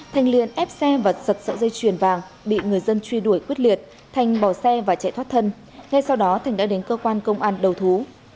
thành liên ép xe và giật sợi dây chuyền vàng bị người dân truy đuổi quyết liệt thành bỏ xe và chạy thoát thân ngay sau đó thành đã đến cơ quan công an đầu thú